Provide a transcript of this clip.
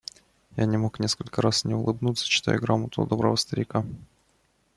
Я не мог несколько раз не улыбнуться, читая грамоту доброго старика.